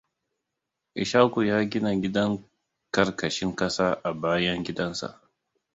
Ishaku ya gina gidan ƙarƙashin ƙasa a bayan gidansa.